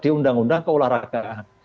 di undang undang keolahragaan